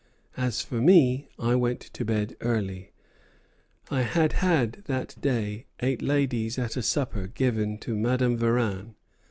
As for me, I went to bed early. I had had that day eight ladies at a supper given to Madame Varin.